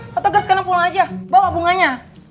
pak togar sekarang pulang aja bawa bunganya